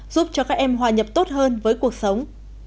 giúp cho các em hòa nhập tốt hơn với cuộc sống